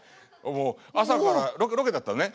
もう朝からロケだったのね。